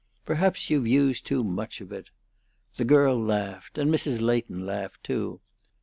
Perhaps you've used too much of it." The girl laughed, and Mrs. Leighton laughed, too.